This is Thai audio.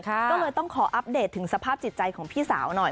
ก็เลยต้องขออัปเดตถึงสภาพจิตใจของพี่สาวหน่อย